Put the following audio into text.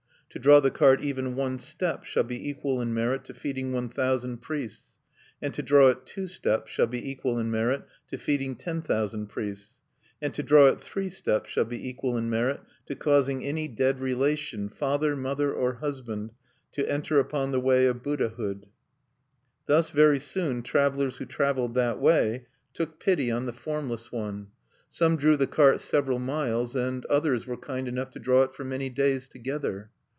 "To draw the cart even one step shall be equal in merit to feeding one thousand priests, and to draw it two steps shall be equal in merit to feeding ten thousand priests; "And to draw it three steps shall be equal in merit to causing any dead relation father, mother, or husband to enter upon the way of Buddhahood." Thus very soon travelers who traveled that way took pity on the formless one: some drew the cart several miles, and, others were kind enough to draw it for many days together.